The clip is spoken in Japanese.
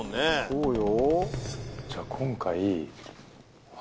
そうよ。